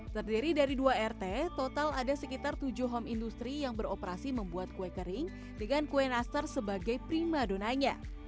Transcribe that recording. terdiri dari dua rt total ada sekitar tujuh home industry yang beroperasi membuat kue kering dengan kue nastar sebagai prima donanya